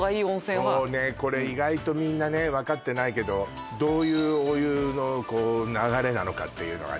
これ意外とみんなねわかってないけどどういうお湯の流れなのかっていうのがね